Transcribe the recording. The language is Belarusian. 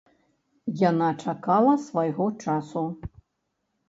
Яна чакала свайго часу.